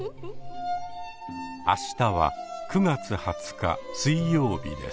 明日は９月２０日水曜日です。